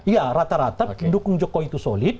ya rata rata pendukung jokowi itu solid